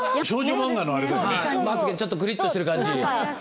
まつ毛ちょっとくりっとしてる感じ。